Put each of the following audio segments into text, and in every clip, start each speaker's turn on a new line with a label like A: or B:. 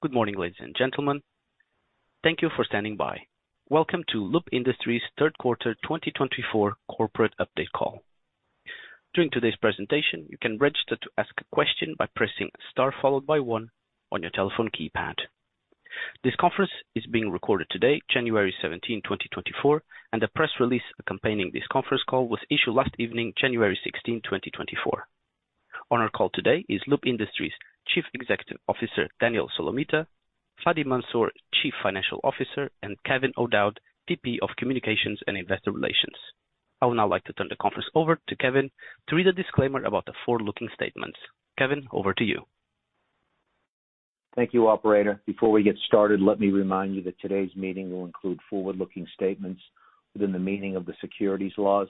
A: Good morning, ladies and gentlemen. Thank you for standing by. Welcome to Loop Industries' third quarter 2024 corporate update call. During today's presentation, you can register to ask a question by pressing star followed by one on your telephone keypad. This conference is being recorded today, January 17, 2024, and the press release accompanying this conference call was issued last evening, January 16, 2024. On our call today is Loop Industries' Chief Executive Officer, Daniel Solomita, Fady Mansour, Chief Financial Officer, and Kevin O'Dowd, VP of Communications and Investor Relations. I would now like to turn the conference over to Kevin to read a disclaimer about the forward-looking statements. Kevin, over to you.
B: Thank you, operator. Before we get started, let me remind you that today's meeting will include forward-looking statements within the meaning of the securities laws.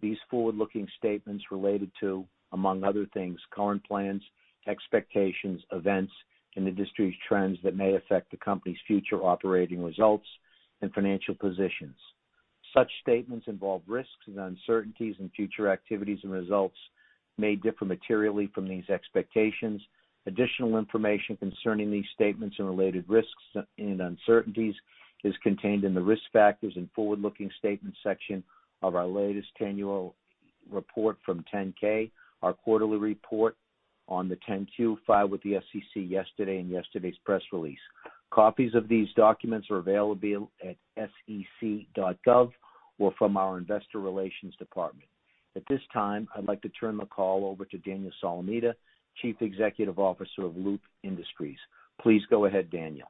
B: These forward-looking statements related to, among other things, current plans, expectations, events, and industry trends that may affect the company's future operating results and financial positions. Such statements involve risks and uncertainties, and future activities and results may differ materially from these expectations. Additional information concerning these statements and related risks and uncertainties is contained in the Risk Factors and Forward-Looking Statements section of our latest annual report Form 10-K, our quarterly report on the 10-Q filed with the SEC yesterday, and yesterday's press release. Copies of these documents are available at sec.gov or from our investor relations department. At this time, I'd like to turn the call over to Daniel Solomita, Chief Executive Officer of Loop Industries. Please go ahead, Daniel.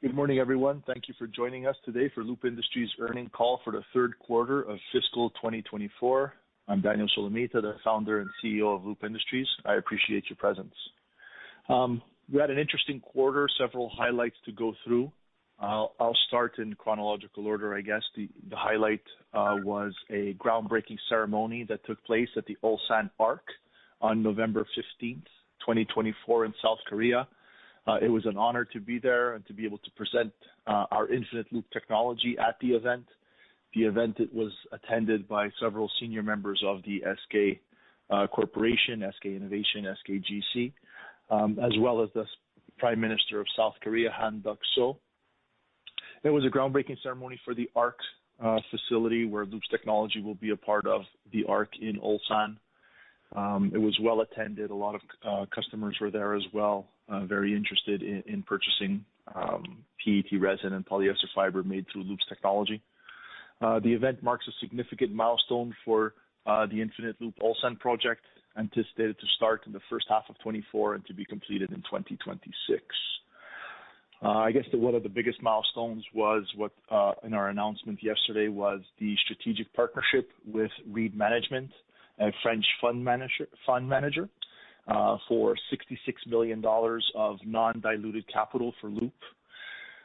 C: Good morning, everyone. Thank you for joining us today for Loop Industries' earnings call for the third quarter of fiscal 2024. I'm Daniel Solomita, the founder and CEO of Loop Industries. I appreciate your presence. We had an interesting quarter, several highlights to go through. I'll start in chronological order, I guess. The highlight was a groundbreaking ceremony that took place at the Ulsan ARC on November 15, 2024, in South Korea. It was an honor to be there and to be able to present our Infinite Loop technology at the event. The event, it was attended by several senior members of the SK Corporation, SK Innovation, SKGC, as well as the Prime Minister of South Korea, Han Duck-soo. It was a groundbreaking ceremony for the Ulsan ARC facility, where Loop's technology will be a part of the Ulsan ARC in Ulsan. It was well attended. A lot of customers were there as well, very interested in purchasing PET resin and polyester fiber made through Loop's technology. The event marks a significant milestone for the Infinite Loop Ulsan project, anticipated to start in the first half of 2024 and to be completed in 2026. I guess one of the biggest milestones was what in our announcement yesterday was the strategic partnership with Reed Management, a French fund manager, for $66 million of non-dilutive capital for Loop.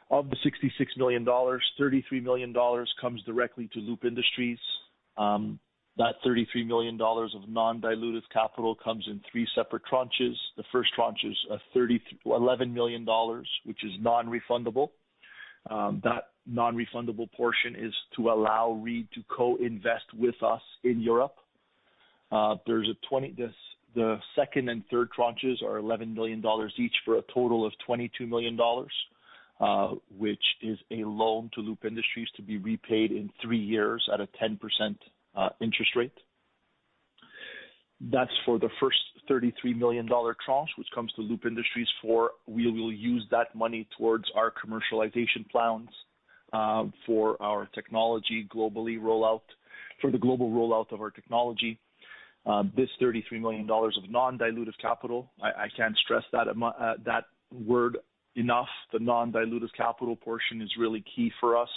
C: Of the $66 million, $33 million comes directly to Loop Industries. That $33 million of non-dilutive capital comes in three separate tranches. The first tranche is eleven million dollars, which is non-refundable. That non-refundable portion is to allow Reed to co-invest with us in Europe. The second and third tranches are eleven million dollars each for a total of twenty-two million dollars, which is a loan to Loop Industries to be repaid in 3 years at a 10% interest rate. That's for the first thirty-three million dollar tranche, which comes to Loop Industries, for we will use that money towards our commercialization plans, for our technology globally rollout—for the global rollout of our technology. This thirty-three million dollars of non-dilutive capital, I can't stress that word enough. The non-dilutive capital portion is really key for us.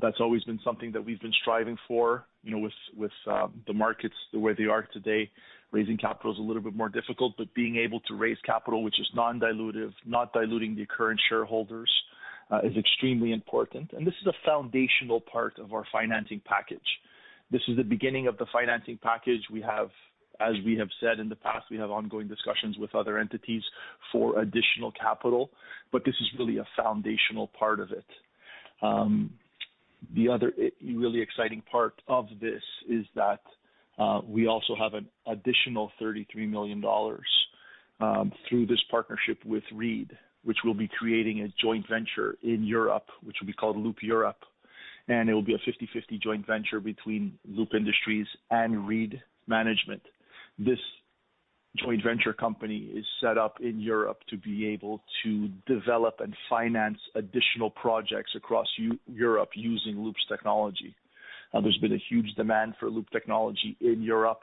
C: That's always been something that we've been striving for. You know, with the markets the way they are today, raising capital is a little bit more difficult, but being able to raise capital, which is non-dilutive, not diluting the current shareholders, is extremely important. This is a foundational part of our financing package. This is the beginning of the financing package. We have, as we have said in the past, we have ongoing discussions with other entities for additional capital, but this is really a foundational part of it. The other really exciting part of this is that, we also have an additional $33 million through this partnership with Reed, which will be creating a joint venture in Europe, which will be called Loop Europe, and it will be a 50/50 joint venture between Loop Industries and Reed Management. This joint venture company is set up in Europe to be able to develop and finance additional projects across Europe using Loop's technology. There's been a huge demand for Loop technology in Europe.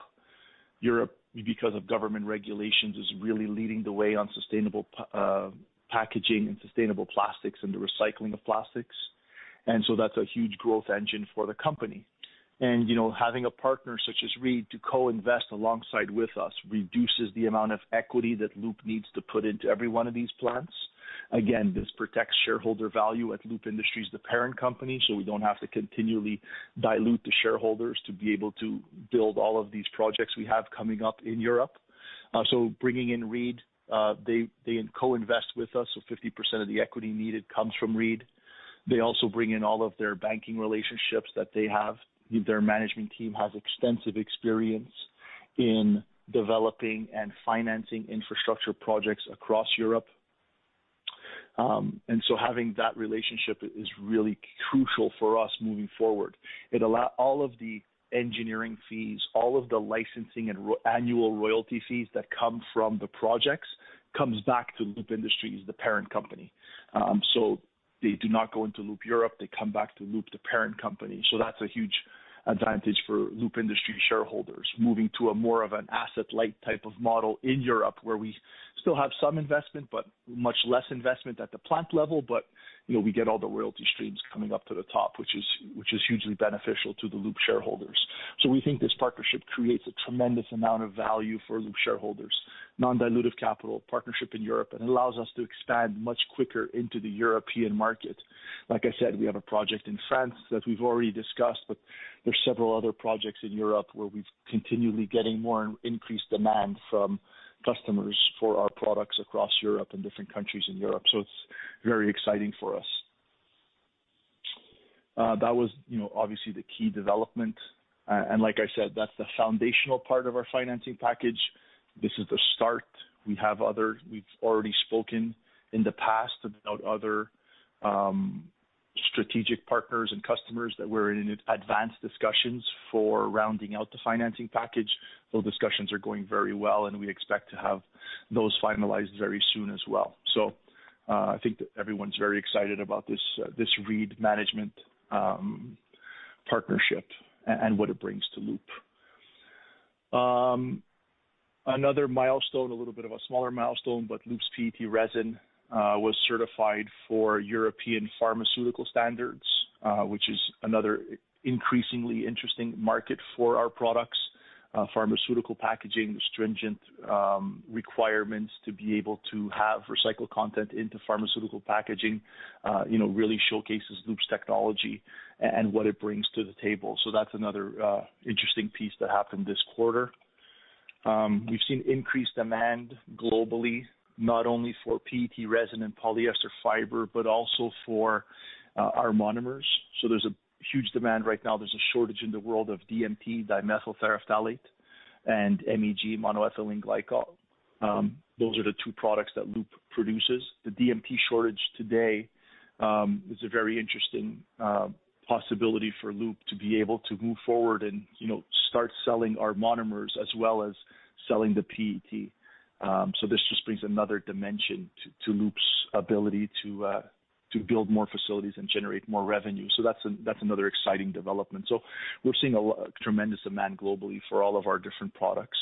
C: Europe, because of government regulations, is really leading the way on sustainable packaging and sustainable plastics and the recycling of plastics. And so that's a huge growth engine for the company. And, you know, having a partner such as Reed to co-invest alongside with us reduces the amount of equity that Loop needs to put into every one of these plants. Again, this protects shareholder value at Loop Industries, the parent company, so we don't have to continually dilute the shareholders to be able to build all of these projects we have coming up in Europe. So bringing in Reed, they co-invest with us, so 50% of the equity needed comes from Reed. They also bring in all of their banking relationships that they have. Their management team has extensive experience in developing and financing infrastructure projects across Europe. And so having that relationship is really crucial for us moving forward. All of the engineering fees, all of the licensing and annual royalty fees that come from the projects, come back to Loop Industries, the parent company. So they do not go into Loop Europe, they come back to Loop, the parent company. So that's a huge advantage for Loop Industries shareholders, moving to more of an asset-light type of model in Europe, where we still have some investment, but much less investment at the plant level. But, you know, we get all the royalty streams coming up to the top, which is hugely beneficial to the Loop shareholders. So we think this partnership creates a tremendous amount of value for Loop shareholders, non-dilutive capital, partnership in Europe, and allows us to expand much quicker into the European market. Like I said, we have a project in France that we've already discussed, but there are several other projects in Europe where we've continually getting more increased demand from customers for our products across Europe and different countries in Europe. So it's very exciting for us. That was, you know, obviously the key development, and like I said, that's the foundational part of our financing package. This is the start. We've already spoken in the past about other strategic partners and customers that we're in advanced discussions for rounding out the financing package. Those discussions are going very well, and we expect to have those finalized very soon as well. So, I think everyone's very excited about this Reed Management partnership and what it brings to Loop. Another milestone, a little bit of a smaller milestone, but Loop's PET resin was certified for European pharmaceutical standards, which is another increasingly interesting market for our products. Pharmaceutical packaging, the stringent requirements to be able to have recycled content into pharmaceutical packaging, you know, really showcases Loop's technology and what it brings to the table. So that's another interesting piece that happened this quarter. We've seen increased demand globally, not only for PET resin and polyester fiber, but also for our monomers. So there's a huge demand right now. There's a shortage in the world of DMT, dimethyl terephthalate, and MEG, monoethylene glycol. Those are the two products that Loop produces. The DMT shortage today is a very interesting possibility for Loop to be able to move forward and, you know, start selling our monomers as well as selling the PET. So this just brings another dimension to Loop's ability to build more facilities and generate more revenue. So that's another exciting development. So we're seeing tremendous demand globally for all of our different products.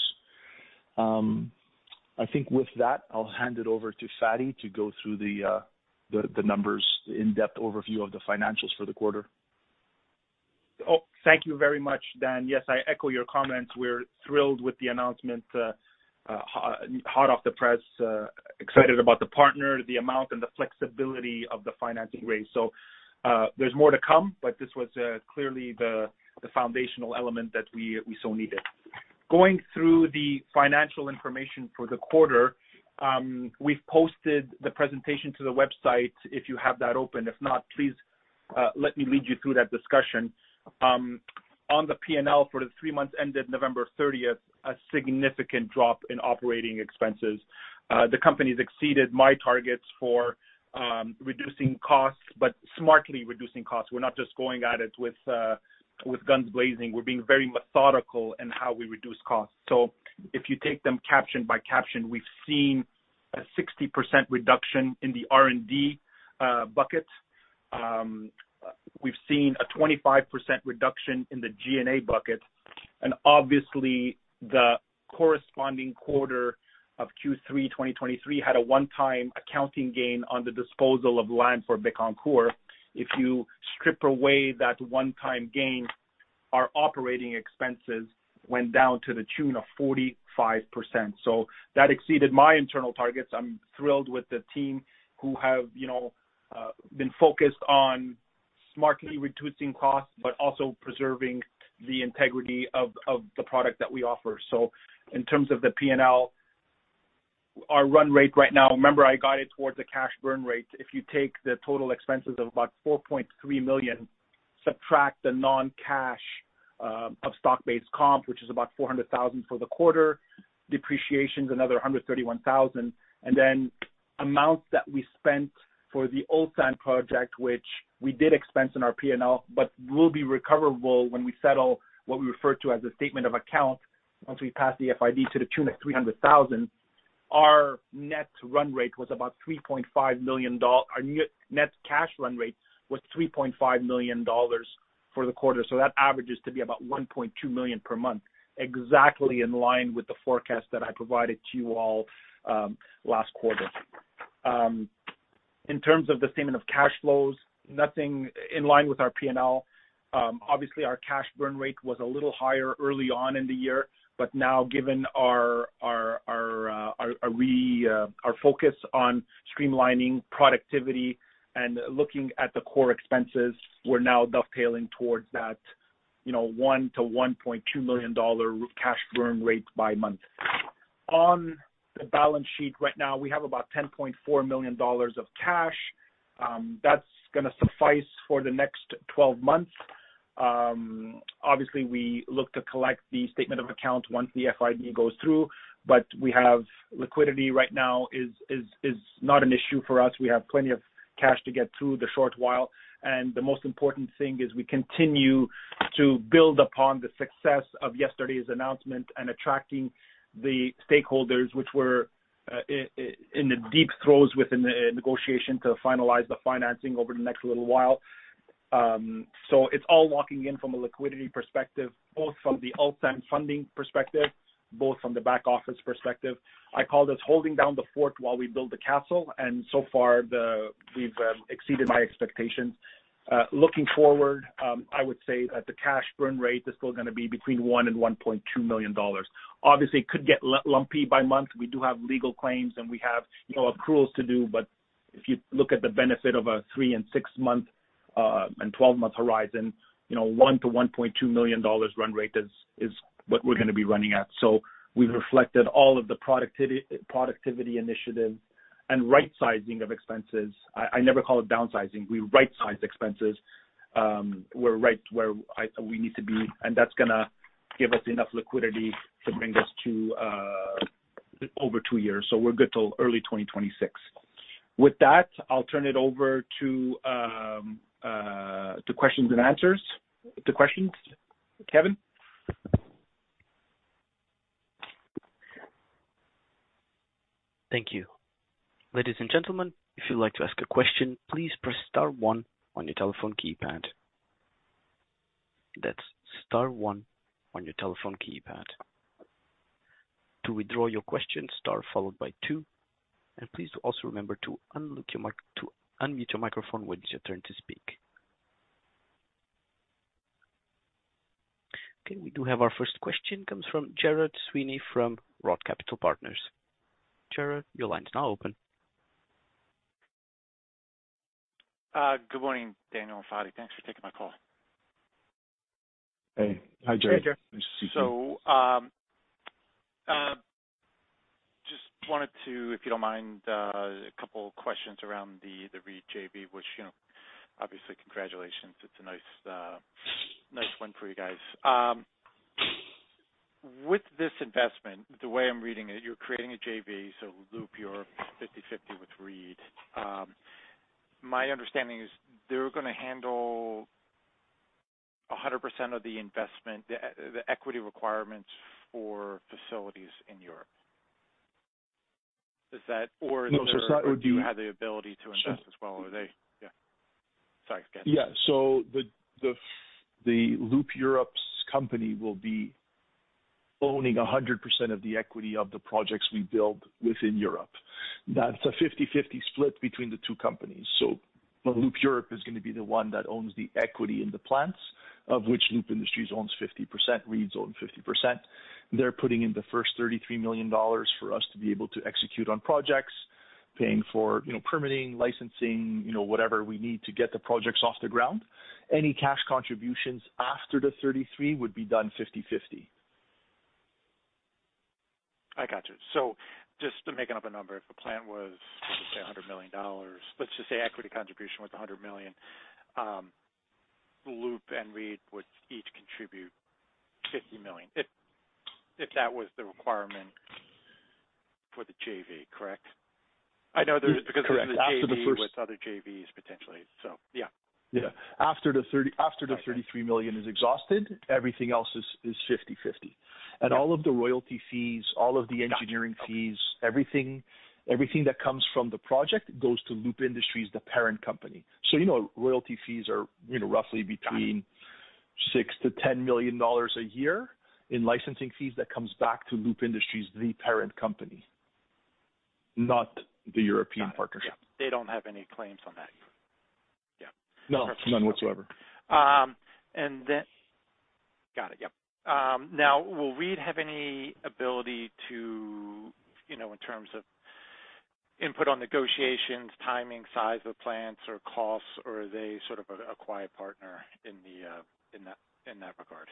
C: I think with that, I'll hand it over to Fady to go through the numbers, the in-depth overview of the financials for the quarter.
D: Oh, thank you very much, Dan. Yes, I echo your comments. We're thrilled with the announcement, hot off the press, excited about the partner, the amount, and the flexibility of the financing raise. So, there's more to come, but this was clearly the foundational element that we so needed. Going through the financial information for the quarter, we've posted the presentation to the website, if you have that open. If not, please let me lead you through that discussion. On the P&L for the three months ended November 30, a significant drop in operating expenses. The company's exceeded my targets for reducing costs, but smartly reducing costs. We're not just going at it with guns blazing. We're being very methodical in how we reduce costs. So if you take them caption by caption, we've seen a 60% reduction in the R&D bucket. We've seen a 25% reduction in the G&A bucket, and obviously, the corresponding quarter of Q3 2023 had a one-time accounting gain on the disposal of lime for Bécancour. If you strip away that one-time gain, our operating expenses went down to the tune of 45%. So that exceeded my internal targets. I'm thrilled with the team who have, you know, been focused on smartly reducing costs, but also preserving the integrity of the product that we offer. So in terms of the P&L, our run rate right now, remember, I guided towards the cash burn rate. If you take the total expenses of about $4.3 million, subtract the non-cash of stock-based comp, which is about $400,000 for the quarter, depreciation is another $131,000, and then amounts that we spent for the Ulsan project, which we did expense in our P&L, but will be recoverable when we settle what we refer to as a statement of account, once we pass the FID to the tune of $300,000, our net run rate was about $3.5 million—our net cash run rate was $3.5 million for the quarter. So that averages to be about $1.2 million per month. Exactly in line with the forecast that I provided to you all last quarter. In terms of the statement of cash flows, nothing in line with our P&L. Obviously, our cash burn rate was a little higher early on in the year, but now given our focus on streamlining productivity and looking at the core expenses, we're now dovetailing towards that, you know, $1 million-$1.2 million cash burn rate by month.... on the balance sheet right now, we have about $10.4 million of cash. That's gonna suffice for the next 12 months. Obviously, we look to collect the statement of accounts once the FID goes through, but we have liquidity right now is not an issue for us. We have plenty of cash to get through the short while, and the most important thing is we continue to build upon the success of yesterday's announcement and attracting the stakeholders which were in the deep throes within the negotiation to finalize the financing over the next little while. So it's all locking in from a liquidity perspective, both from the equity funding perspective, both from the back office perspective. I call this holding down the fort while we build the castle, and so far, we've exceeded my expectations. Looking forward, I would say that the cash burn rate is still gonna be between $1 and $1.2 million. Obviously, it could get lumpy by month. We do have legal claims, and we have, you know, accruals to do, but if you look at the benefit of a three- and six-month, and twelve-month horizon, you know, $1-$1.2 million run rate is what we're gonna be running at. So we've reflected all of the productivity initiatives and rightsizing of expenses. I never call it downsizing. We rightsize expenses. We're right where we need to be, and that's gonna give us enough liquidity to bring us to over two years. So we're good till early 2026. With that, I'll turn it over to questions and answers. To questions. Kevin?
A: Thank you. Ladies and gentlemen, if you'd like to ask a question, please press star one on your telephone keypad. That's star one on your telephone keypad. To withdraw your question, star followed by two, and please also remember to unlock your mic, to unmute your microphone when it is your turn to speak. Okay, we do have our first question. Comes from Gerry Sweeney from Roth Capital Partners. Gerry, your line is now open.
E: Good morning, Daniel and Fady. Thanks for taking my call.
C: Hey. Hi, Gerry.
A: Hi, Gerry.
E: Just wanted to, if you don't mind, a couple of questions around the Reed JV, which, you know, obviously, congratulations. It's a nice, nice win for you guys. With this investment, the way I'm reading it, you're creating a JV, so Loop, you're 50/50 with Reed. My understanding is they're gonna handle 100% of the investment, the equity requirements for facilities in Europe. Is that or-
C: No, so that would be-
E: Do you have the ability to invest as well? Yeah. Sorry, again.
C: Yeah. So the Loop Europe company will be owning 100% of the equity of the projects we build within Europe. That's a 50/50 split between the two companies. So the Loop Europe is gonna be the one that owns the equity in the plants, of which Loop Industries owns 50%, Reed owns 50%. They're putting in the first $33 million for us to be able to execute on projects, paying for, you know, permitting, licensing, you know, whatever we need to get the projects off the ground. Any cash contributions after the 33 would be done 50/50.
E: I got you. So just to making up a number, if a plant was, let's say, $100 million, let's just say equity contribution was $100 million, Loop and Reed would each contribute $50 million, if, if that was the requirement for the JV, correct? I know there is because-
C: Correct.
E: With other JVs, potentially. So, yeah.
C: Yeah. After the $33 million is exhausted, everything else is 50/50.
E: Yeah.
C: All of the royalty fees, all of the engineering fees, everything, everything that comes from the project goes to Loop Industries, the parent company. You know, royalty fees are, you know, roughly between $6 million-$10 million a year in licensing fees that comes back to Loop Industries, the parent company, not the European partnership.
E: Got it. Yeah, they don't have any claims on that, yeah.
C: No, none whatsoever.
E: Now, will Reed have any ability to, you know, in terms of input on negotiations, timing, size of plants, or costs, or are they sort of a quiet partner in the, in that regard?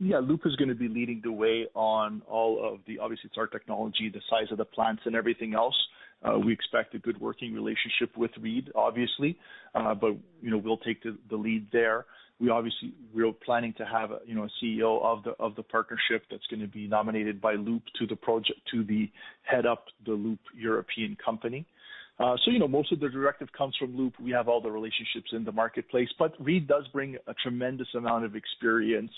C: Yeah, Loop is gonna be leading the way on all of the... Obviously, it's our technology, the size of the plants and everything else. We expect a good working relationship with Reed, obviously, but, you know, we'll take the lead there. We obviously, we're planning to have, you know, a CEO of the partnership that's gonna be nominated by Loop to the project, to head up the Loop European company. So, you know, most of the directive comes from Loop. We have all the relationships in the marketplace, but Reed does bring a tremendous amount of experience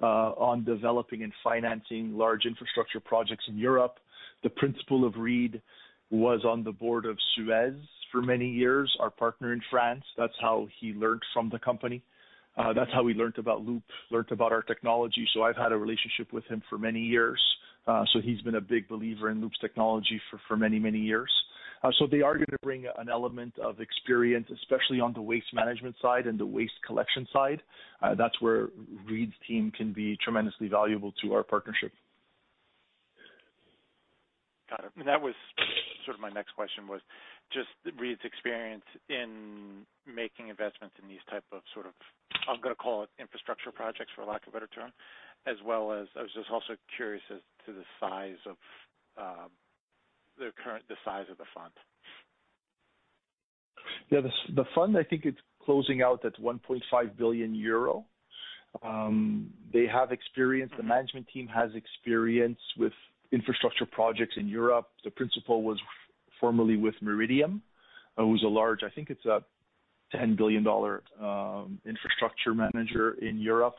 C: on developing and financing large infrastructure projects in Europe. The principal of Reed was on the board of Suez for many years, our partner in France. That's how he learned from the company. That's how he learned about Loop, learned about our technology. I've had a relationship with him for many years. He's been a big believer in Loop's technology for many, many years. They are gonna bring an element of experience, especially on the waste management side and the waste collection side. That's where Reed's team can be tremendously valuable to our partnership....
E: Got it. And that was sort of my next question, was just Reed's experience in making investments in these type of sort of, I'm gonna call it infrastructure projects, for lack of a better term, as well as I was just also curious as to the size of the current—the size of the fund.
C: Yeah, the fund, I think it's closing out at 1.5 billion euro. They have experience, the management team has experience with infrastructure projects in Europe. The principal was formerly with Meridiam, it was a large... I think it's a $10 billion, infrastructure manager in Europe.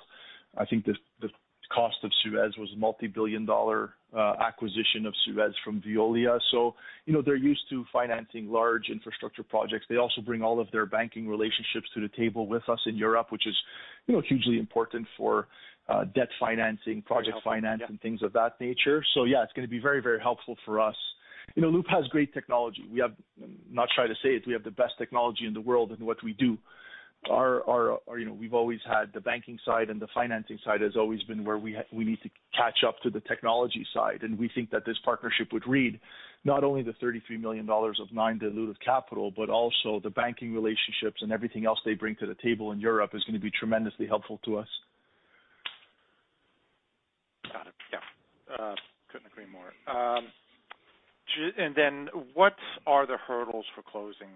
C: I think the, the cost of SUEZ was a multibillion-dollar acquisition of SUEZ from Veolia. So, you know, they're used to financing large infrastructure projects. They also bring all of their banking relationships to the table with us in Europe, which is, you know, hugely important for, debt financing, project finance-
E: Yeah.
C: And things of that nature. So yeah, it's gonna be very, very helpful for us. You know, Loop has great technology. We have. I'm not trying to say it, we have the best technology in the world in what we do. Our, our, you know, we've always had the banking side, and the financing side has always been where we need to catch up to the technology side. And we think that this partnership with Reed, not only the $33 million of non-dilutive capital, but also the banking relationships and everything else they bring to the table in Europe, is gonna be tremendously helpful to us.
E: Got it. Yeah, couldn't agree more. And then what are the hurdles for closing?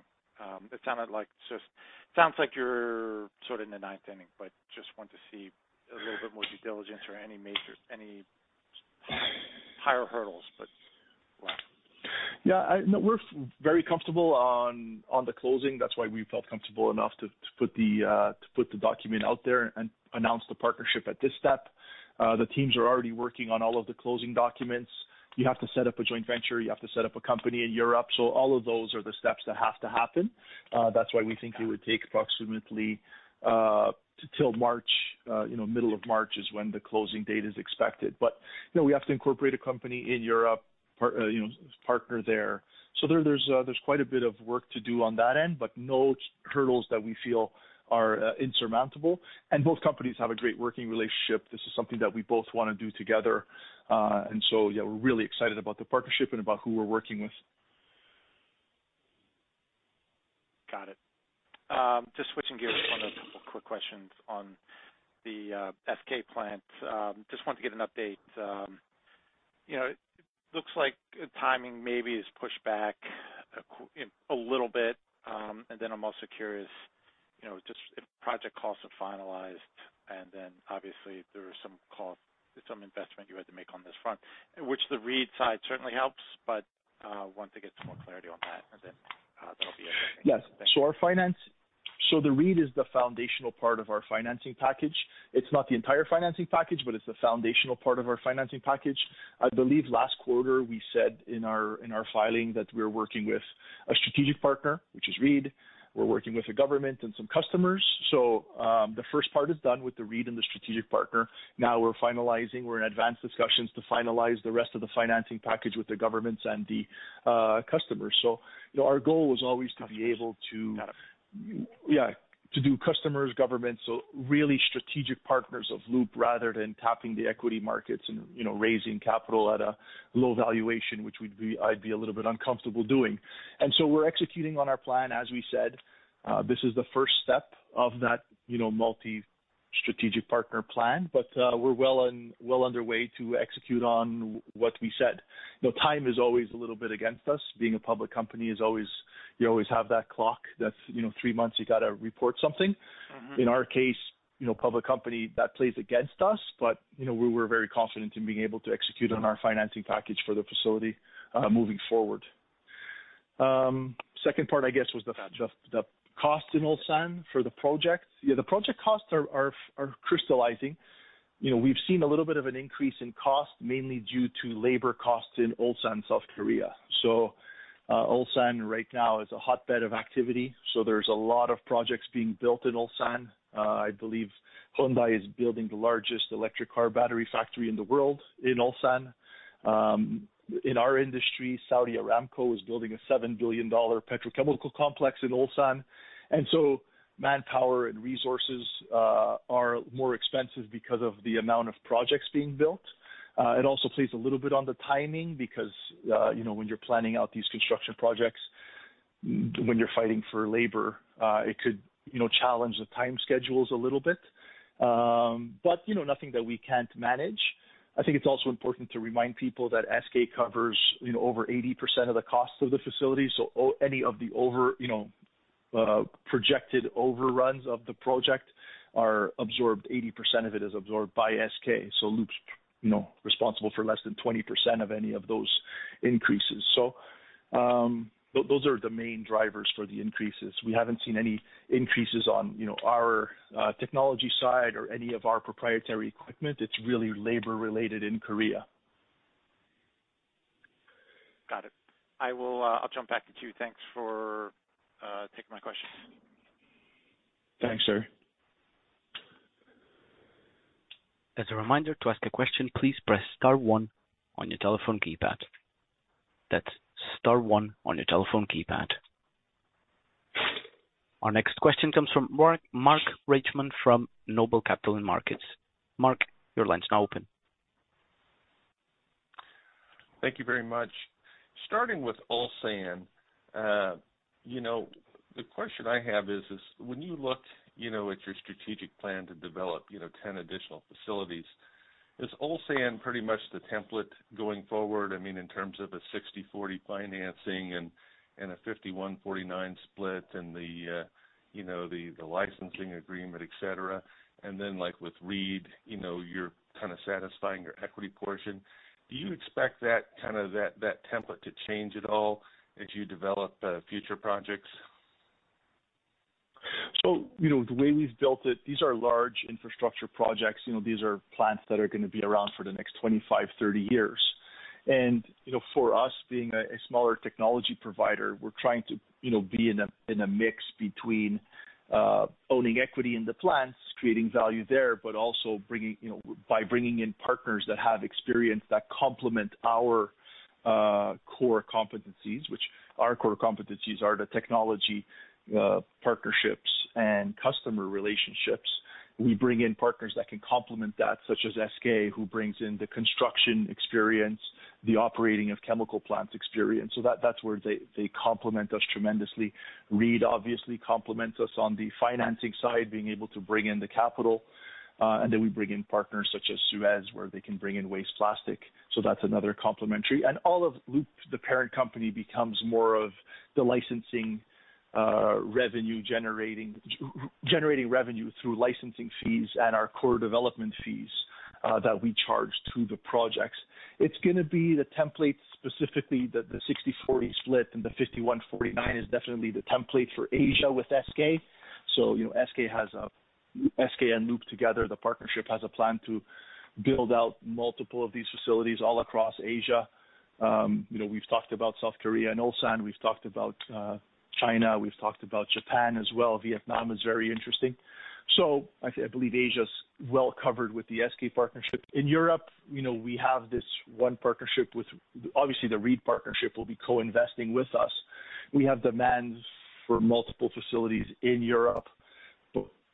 E: It sounds like you're sort of in the ninth inning, but just want to see a little bit more due diligence or any major, any higher hurdles, but well.
C: Yeah, No, we're very comfortable on the closing. That's why we felt comfortable enough to put the document out there and announce the partnership at this step. The teams are already working on all of the closing documents. You have to set up a joint venture. You have to set up a company in Europe. So all of those are the steps that have to happen. That's why we think it would take approximately till March, you know, middle of March is when the closing date is expected. But, you know, we have to incorporate a company in Europe, partner there. So there's quite a bit of work to do on that end, but no hurdles that we feel are insurmountable, and both companies have a great working relationship. This is something that we both want to do together. Yeah, we're really excited about the partnership and about who we're working with.
E: Got it. Just switching gears, want to ask a couple quick questions on the SK plant. Just want to get an update. You know, it looks like the timing maybe is pushed back a little bit. And then I'm also curious, you know, just if project costs are finalized, and then obviously there are some cost, some investment you had to make on this front, which the Reed side certainly helps, but want to get some more clarity on that, and then that'll be everything.
C: Yes. So the Reed is the foundational part of our financing package. It's not the entire financing package, but it's the foundational part of our financing package. I believe last quarter we said in our filing that we're working with a strategic partner, which is Reed. We're working with the government and some customers. So the first part is done with the Reed and the strategic partner. Now we're finalizing, we're in advanced discussions to finalize the rest of the financing package with the governments and the customers. So, you know, our goal was always to be able to-
E: Got it.
C: Yeah, to do customers, government, so really strategic partners of Loop rather than tapping the equity markets and, you know, raising capital at a low valuation, which we'd be—I'd be a little bit uncomfortable doing. And so we're executing on our plan. As we said, this is the first step of that, you know, multi-strategic partner plan, but we're well underway to execute on what we said. You know, time is always a little bit against us. Being a public company is always, you always have that clock that's, you know, three months, you got to report something.
E: Mm-hmm.
C: In our case, you know, public company, that plays against us. But, you know, we're very confident in being able to execute on our financing package for the facility, moving forward. Second part, I guess, was the cost in Ulsan for the project. Yeah, the project costs are crystallizing. You know, we've seen a little bit of an increase in cost, mainly due to labor costs in Ulsan, South Korea. So, Ulsan right now is a hotbed of activity, so there's a lot of projects being built in Ulsan. I believe Hyundai is building the largest electric car battery factory in the world, in Ulsan. In our industry, Saudi Aramco is building a $7 billion petrochemical complex in Ulsan, and so manpower and resources are more expensive because of the amount of projects being built. It also plays a little bit on the timing because, you know, when you're planning out these construction projects, when you're fighting for labor, it could, you know, challenge the time schedules a little bit. But, you know, nothing that we can't manage. I think it's also important to remind people that SK covers, you know, over 80% of the cost of the facility. So any of the over, you know, projected overruns of the project are absorbed, 80% of it is absorbed by SK. So Loop's, you know, responsible for less than 20% of any of those increases. So those are the main drivers for the increases. We haven't seen any increases on, you know, our technology side or any of our proprietary equipment. It's really labor related in Korea.
E: Got it. I will, I'll jump back to you. Thanks for taking my questions.
C: Thanks, sir.
A: As a reminder, to ask a question, please press star one on your telephone keypad. That's star one on your telephone keypad.... Our next question comes from Mark, Mark Reichman from Noble Capital Markets. Mark, your line's now open.
F: Thank you very much. Starting with Ulsan, you know, the question I have is, when you look, you know, at your strategic plan to develop, you know, 10 additional facilities, is Ulsan pretty much the template going forward? I mean, in terms of a 60/40 financing and a 51/49 split and the, you know, the licensing agreement, et cetera. And then, like with Reed, you know, you're kind of satisfying your equity portion. Do you expect that, kind of, that template to change at all as you develop future projects?
C: So, you know, the way we've built it, these are large infrastructure projects. You know, these are plants that are gonna be around for the next 25, 30 years. You know, for us, being a smaller technology provider, we're trying to, you know, be in a mix between owning equity in the plants, creating value there, but also bringing, you know, by bringing in partners that have experience that complement our core competencies, which our core competencies are the technology, partnerships and customer relationships. We bring in partners that can complement that, such as SK, who brings in the construction experience, the operating of chemical plants experience. So that's where they complement us tremendously. Reed obviously complements us on the financing side, being able to bring in the capital. And then we bring in partners such as SUEZ, where they can bring in waste plastic, so that's another complementary. And all of Loop, the parent company, becomes more of the licensing, revenue generating revenue through licensing fees and our core development fees, that we charge to the projects. It's gonna be the template, specifically, the 60/40 split and the 51/49 is definitely the template for Asia with SK. So, you know, SK has SK and Loop together, the partnership, has a plan to build out multiple of these facilities all across Asia. You know, we've talked about South Korea and Ulsan. We've talked about China. We've talked about Japan as well. Vietnam is very interesting. So I believe Asia's well covered with the SK partnership. In Europe, you know, we have this one partnership with... Obviously, the Reed partnership will be co-investing with us. We have demands for multiple facilities in Europe,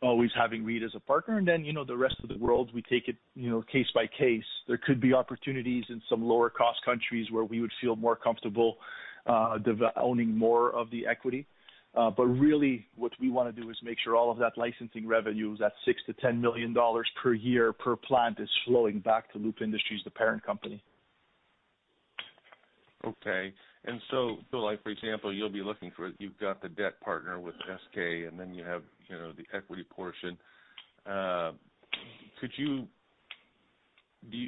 C: but always having Reed as a partner. And then, you know, the rest of the world, we take it, you know, case by case. There could be opportunities in some lower cost countries, where we would feel more comfortable, owning more of the equity. But really, what we wanna do is make sure all of that licensing revenue, that $6 million-$10 million per year, per plant, is flowing back to Loop Industries, the parent company.
F: Okay. So, like for example, you've got the debt partner with SK, and then you have, you know, the equity portion.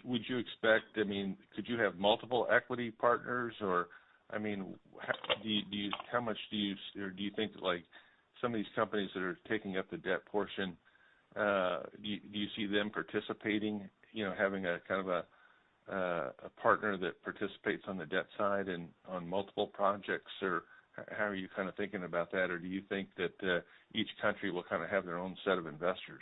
F: Would you expect-- I mean, could you have multiple equity partners, or, I mean, do you-- how much do you... Or do you think that, like, some of these companies that are taking up the debt portion, do you see them participating? You know, having a kind of partner that participates on the debt side and on multiple projects, or how are you kind of thinking about that? Or do you think that, each country will kind of have their own set of investors?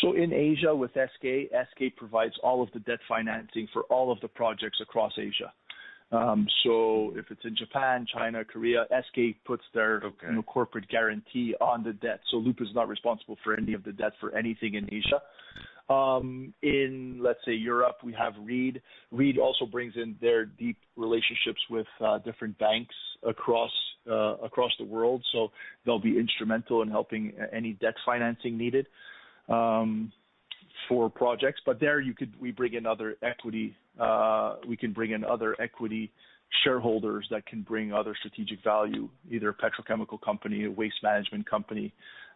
C: So in Asia, with SK, SK provides all of the debt financing for all of the projects across Asia. So if it's in Japan, China, Korea, SK puts their-
F: Okay.
C: You know, corporate guarantee on the debt. So Loop is not responsible for any of the debt for anything in Asia. In, let's say, Europe, we have Reed. Reed also brings in their deep relationships with different banks across the world. So they'll be instrumental in helping any debt financing needed for projects. But there, we bring in other equity. We can bring in other equity shareholders that can bring other strategic value, either a petrochemical company, a waste management company,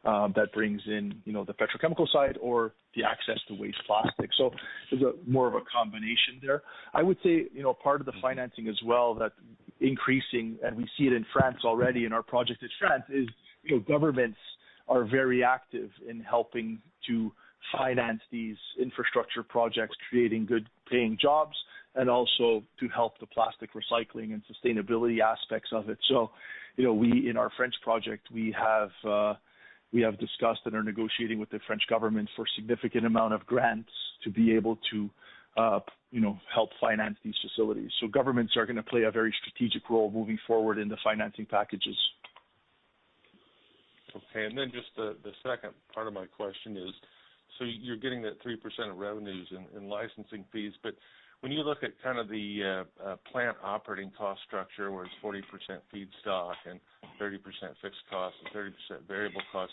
C: that brings in, you know, the petrochemical side or the access to waste plastic. So there's more of a combination there. I would say, you know, part of the financing as well, that increasing, and we see it in France already in our project in France, is, you know, governments are very active in helping to finance these infrastructure projects, creating good-paying jobs, and also to help the plastic recycling and sustainability aspects of it. So, you know, we, in our French project, we have discussed and are negotiating with the French government for significant amount of grants to be able to, you know, help finance these facilities. So governments are gonna play a very strategic role moving forward in the financing packages.
F: Okay, and then just the second part of my question is, so you're getting that 3% of revenues in licensing fees, but when you look at kind of the plant operating cost structure, where it's 40% feedstock and 30% fixed cost and 30% variable cost,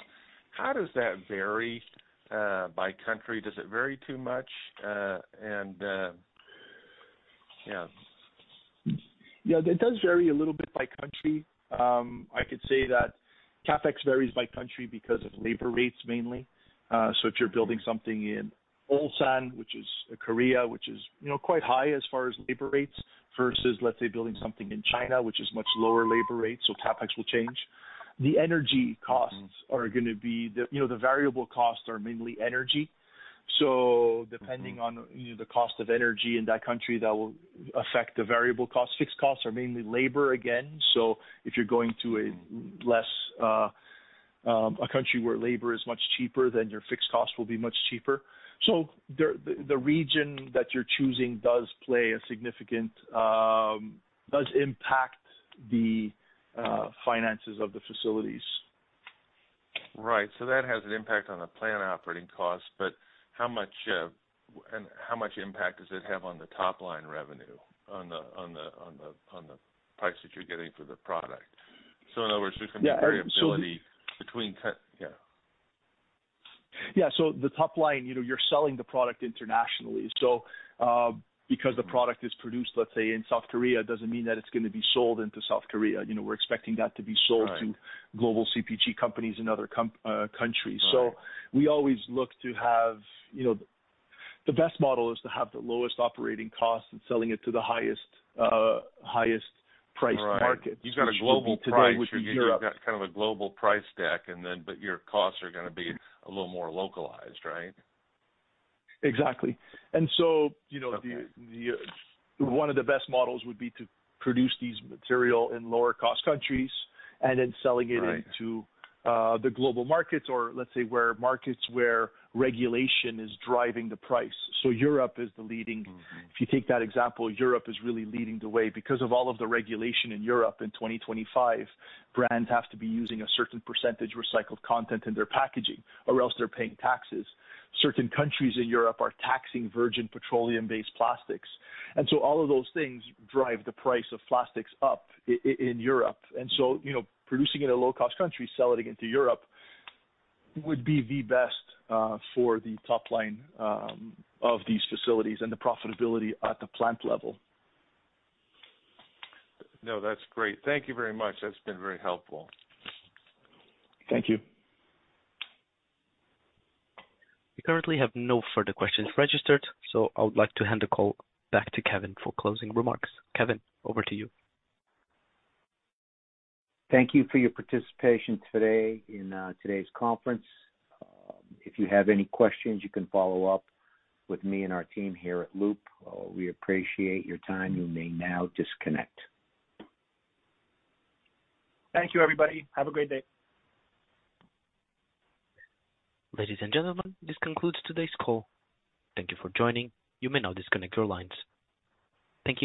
F: how does that vary by country? Does it vary too much? And yeah.
C: Yeah, it does vary a little bit by country. I could say that CapEx varies by country because of labor rates, mainly. So if you're building something in Ulsan, which is Korea, which is, you know, quite high as far as labor rates, versus, let's say, building something in China, which is much lower labor rate, so CapEx will change. The energy costs-
F: Mm-hmm.
C: You know, the variable costs are mainly energy. So-
F: Mm-hmm
C: depending on, you know, the cost of energy in that country, that will affect the variable cost. Fixed costs are mainly labor again, so if you're going to a country where labor is much cheaper than your fixed costs will be much cheaper. So the region that you're choosing does play a significant, does impact the finances of the facilities.
F: Right. So that has an impact on the plant operating costs, but how much, and how much impact does it have on the top line revenue, on the price that you're getting for the product? So in other words, there's going to be variability between, yeah.
C: Yeah. So the top line, you know, you're selling the product internationally. So, because the product is produced, let's say, in South Korea, doesn't mean that it's going to be sold into South Korea. You know, we're expecting that to be sold-
F: Right.
C: to global CPG companies in other countries.
F: Right.
C: So we always look to have, you know, the best model is to have the lowest operating costs and selling it to the highest price market.
F: Right.
C: Which would be today, would be Europe.
F: You've got a global price. You've got kind of a global price stack, and then, but your costs are gonna be a little more localized, right?
C: Exactly. And so, you know-
F: Okay.
C: one of the best models would be to produce these material in lower cost countries and then selling it in
F: Right...
C: to the global markets, or let's say, where markets where regulation is driving the price. So Europe is the leading-
F: Mm-hmm.
C: If you take that example, Europe is really leading the way. Because of all of the regulation in Europe in 2025, brands have to be using a certain percentage recycled content in their packaging, or else they're paying taxes. Certain countries in Europe are taxing virgin petroleum-based plastics, and so all of those things drive the price of plastics up in Europe. And so, you know, producing in a low-cost country, selling it into Europe, would be the best for the top line of these facilities and the profitability at the plant level.
F: No, that's great. Thank you very much. That's been very helpful.
C: Thank you.
A: We currently have no further questions registered, so I would like to hand the call back to Kevin for closing remarks. Kevin, over to you.
B: Thank you for your participation today in today's conference. If you have any questions, you can follow up with me and our team here at Loop. We appreciate your time. You may now disconnect.
C: Thank you, everybody. Have a great day.
A: Ladies and gentlemen, this concludes today's call. Thank you for joining. You may now disconnect your lines. Thank you.